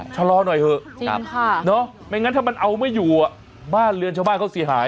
ชะลอหน่อยเถอะไม่งั้นถ้ามันเอาไม่อยู่บ้านเรือนชาวบ้านเขาเสียหาย